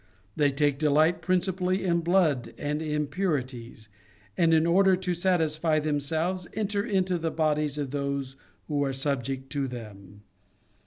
They take delight principally in blood and impurities, and in order to satisfy themselves, enter into the bodies of those who are subject to them.